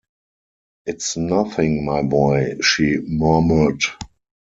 “It’s nothing, my boy,” she murmured.